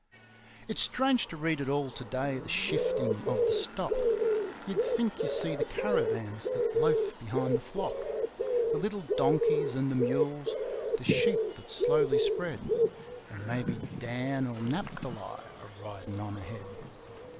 It's strange to read it all to day, the shifting of the stock; You'd think you see the caravans that loaf behind the flock, The little donkeys and the mules, the sheep that slowly spread, And maybe Dan or Naphthali a ridin' on ahead.